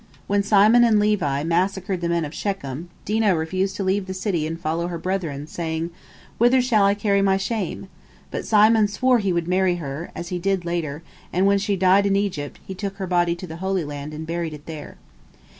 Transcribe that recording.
When Simon and Levi massacred the men of Shechem, Dinah refused to leave the city and follow her brethren, saying, "Whither shall I carry my shame?" But Simon swore he would marry her, as he did later, and when she died in Egypt, he took her body to the Holy Land and buried it there.